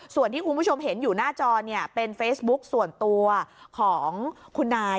ส่วนที่คุณผู้ชมเห็นอยู่หน้าจอเนี่ยเป็นเฟซบุ๊กส่วนตัวของคุณนาย